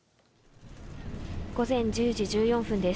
午前１０時１４分です。